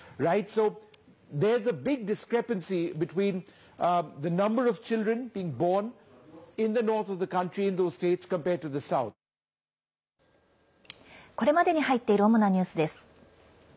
これまでに入っている世界の放送局の主なニュースです。